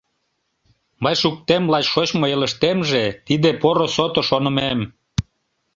Мый шуктем лач шочмо элыштемже Тиде поро сото шонымем!